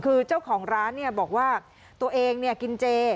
คือเจ้าของร้านบอกว่าตัวเองกินเจ